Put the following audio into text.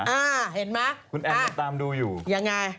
อ้าเห็นมะ